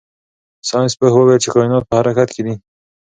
ساینس پوه وویل چې کائنات په حرکت کې دي.